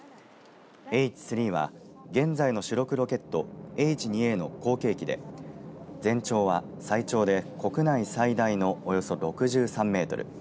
Ｈ３は現在の主力ロケットＨ２Ａの後継機で全長は最長で国内最大のおよそ６３メートル。